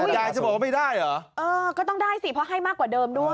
ยายจะบอกว่าไม่ได้เหรอเออก็ต้องได้สิเพราะให้มากกว่าเดิมด้วย